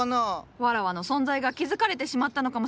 わらわの存在が気付かれてしまったのかもしれんな。